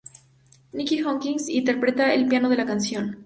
Nicky Hopkins interpreta el piano de la canción.